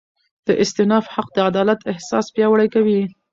د استیناف حق د عدالت احساس پیاوړی کوي.